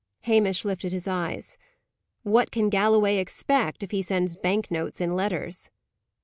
Hamish lifted his eyebrows. "What can Galloway expect, if he sends bank notes in letters?"